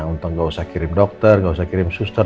untuk gak usah kirim dokter gak usah kirim suster